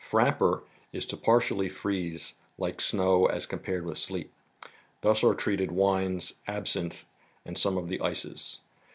Frapper is to partially freeze, like snow as compared with sleet. Thus are treated wines, absinthe and some of the ices.